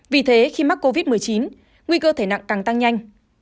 vì thế khi mắc covid một mươi chín nguy cơ thể nặng càng tăng nhanh